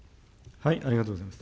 ありがとうございます。